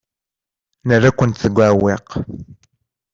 Nerra-kent deg uɛewwiq.